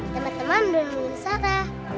teman teman belum menginstara